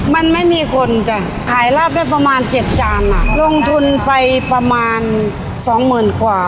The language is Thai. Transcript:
มันไม่มีคนจ้ะขายราวเป็นประมาณ๗จานลงทุนไปประมาณ๒หมื่นกว่า